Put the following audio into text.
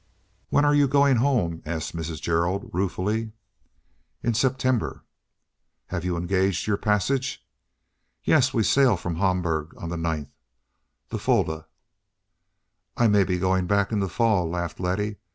"When are you going home?" asked Mrs. Gerald, ruefully. "In September." "Have you engaged your passage?" "Yes; we sail from Hamburg on the ninth—the Fulda." "I may be going back in the fall," laughed Letty.